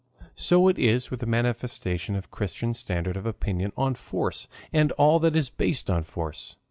So it is with the manifestation of the Christian standard of opinion on force and all that is based on force.